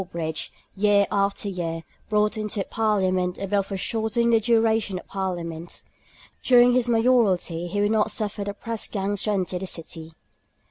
Sawbridge, year after year, brought into Parliament a bill for shortening the duration of parliaments. During his Mayoralty he would not suffer the pressgangs to enter the city.